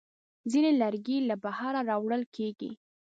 ځینې لرګي له بهره راوړل کېږي.